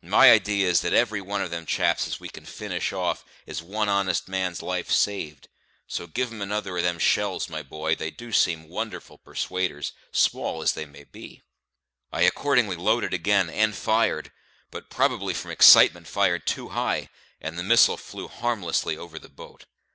My idee is that every one of them chaps as we can finish off is one honest man's life saved; so give 'em another of them shells, my boy. They do seem wonderful persuaders, small as they be." I accordingly loaded again, and fired; but, probably from excitement, fired too high, and the missile flew harmlessly over the boat.